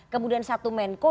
kemudian satu menko